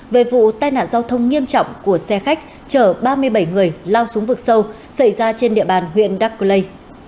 về vụ tai nạn giao thông nghiêm trọng của xe khách chở ba mươi bảy người lao xuống vực sâu xảy ra trên địa bàn huyện đắk cơ lây